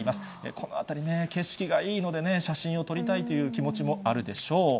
この辺り、景色がいいのでね、写真を撮りたいという気持ちもあるでしょう。